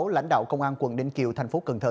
lãnh đạo công an quận ninh kiều thành phố cần thơ